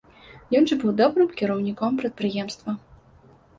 Ён жа быў добрым кіраўніком прадпрыемства.